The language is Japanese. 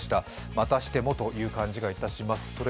またしてもという感じがいたします。